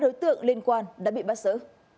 một mươi hai đối tượng liên quan đã bị bắt sỡ